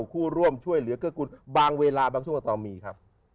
ดาวขู้ร่วมช่วยเหลือก็คุณบางเวลาบางช่วงก็ต้องมีครับ